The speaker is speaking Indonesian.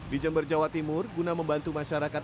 di jember jawa timur guna membantu masyarakat